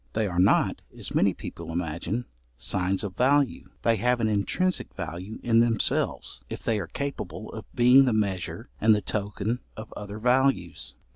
They are not, as many people imagine, signs of value; they have an intrinsic value in themselves, if they are capable of being the measure and the token of other values.